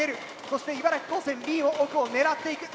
そして茨城高専Ｂも奥を狙っていく。